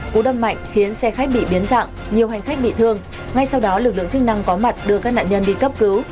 cú đâm mạnh khiến xe khách bị biến dạng nhiều hành khách bị thương ngay sau đó lực lượng chức năng có mặt đưa các nạn nhân đi cấp cứu